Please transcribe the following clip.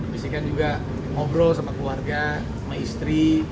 pastikan juga ngobrol sama keluarga sama istri